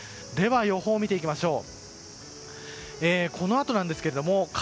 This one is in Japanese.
予報を見ていきましょう。